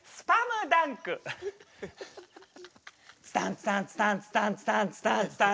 ツタンツタンツタンツタンツタンツタン。